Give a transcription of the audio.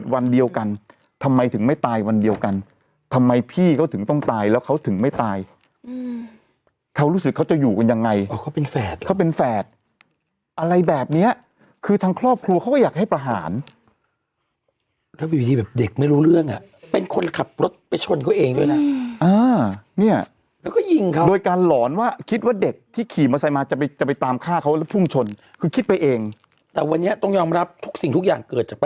วันเดียวกันทำไมถึงไม่ตายวันเดียวกันทำไมพี่เขาถึงต้องตายแล้วเขาถึงไม่ตายเขารู้สึกเขาจะอยู่กันยังไงเขาเป็นแฝดเขาเป็นแฝดอะไรแบบเนี้ยคือทางครอบครัวเขาก็อยากให้ประหารแบบเด็กไม่รู้เรื่องอ่ะเป็นคนขับรถไปชนเขาเองด้วยนะอ่าเนี้ยแล้วก็ยิงเขาโดยการหลอนว่าคิดว่าเด็กที่ขี่มาใส่มาจะไปจะไปตามฆ่าเขาแล้วพุ่งช